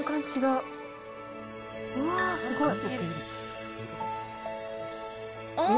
うわー、すごい。